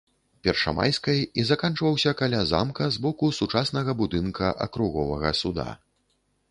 Першамайскай і заканчваўся каля замка з боку сучаснага будынка акруговага суда.